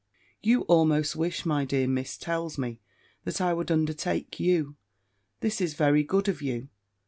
"'You almost wish, my dear Miss tells me, that I would undertake you! This is very good of you.